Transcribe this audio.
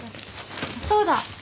そうだ。